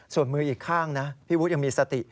ส่วนมืออีกข้างนะพี่วุฒิยังมีสติ